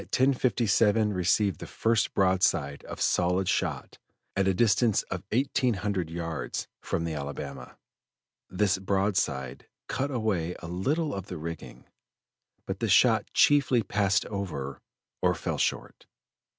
57 received the first broadside of solid shot at a distance of eighteen hundred yards from the Alabama. This broadside cut away a little of the rigging, but the shot chiefly passed over or fell short.